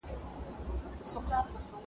څنګه کولای سو د مطالعې فرهنګ پياوړی کړو؟